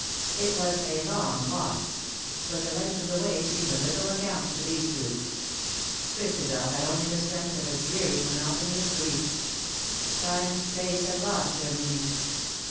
It was a long walk ; but the length of the way seemed of little account to these two. Christabel had only the sense of a dreary monotony of grief Time and space had lost their meaning.